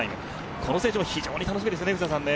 この選手も非常に楽しみです。